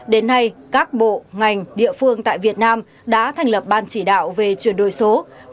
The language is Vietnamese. đến nay các bộ ngành địa phương tại việt nam đã thành lập ban chỉ đạo về chuyển đổi số